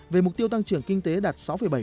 về mục tiêu tăng trưởng kinh tế đạt sáu bảy